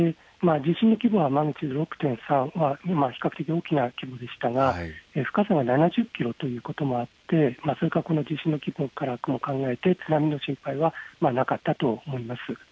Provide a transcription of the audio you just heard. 地震の規模を示すマグニチュード６．３、比較的大きな規模でしたが、深さは７０キロということもあって、それから地震の規模からも考えて津波の心配はなかったと思います。